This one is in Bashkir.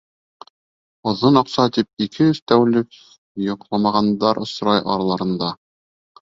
Оҙон аҡса тип ике-өс тәүлек йоҡламағандар осрай араларында.